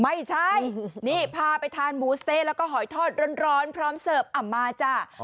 มีผาใจนี่พาไปทานหมูสเต๊สและหอยทอดร้อนพร้อมเสิร์ฟอร่ำมาจ้า